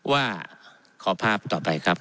ว่าขอภาพต่อไปครับ